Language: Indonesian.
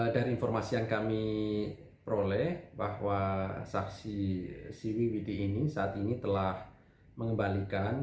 dari informasi yang kami peroleh bahwa saksi siwi widi ini saat ini telah mengembalikan